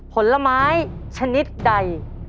ผลไม้ชนิดใด